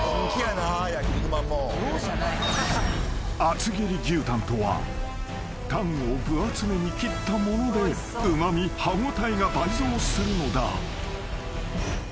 ［厚切り牛タンとはタンを分厚めに切ったものでうま味歯応えが倍増するのだ］